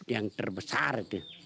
yang terbesar itu